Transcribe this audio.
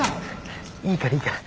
いいからいいから。